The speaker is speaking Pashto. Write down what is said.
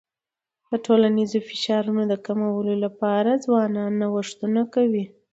د ټولنیزو فشارونو د کمولو لپاره ځوانان نوښتونه کوي.